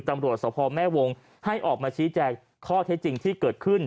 ตำรวจสภแม่วงให้ออกมาชี้แจงข้อเท็จจริงที่เกิดขึ้น